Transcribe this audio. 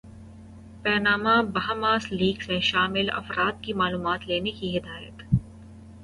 Panama Bahamas leaks میں شامل افراد کی معلومات لینے کی ہدایت